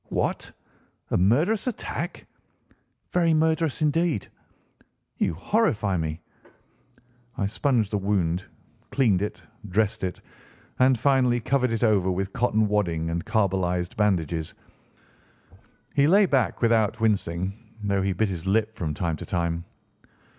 "What! a murderous attack?" "Very murderous indeed." "You horrify me." I sponged the wound, cleaned it, dressed it, and finally covered it over with cotton wadding and carbolised bandages. He lay back without wincing, though he bit his lip from time to time.